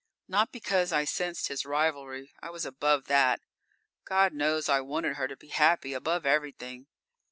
Not because I sensed his rivalry; I was above that. God knows I wanted her to be happy, above everything.